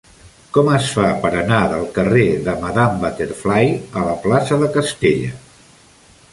Com es fa per anar del carrer de Madame Butterfly a la plaça de Castella?